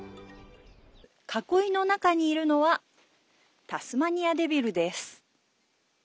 囲いの中にいるのはタスマニアデビルです。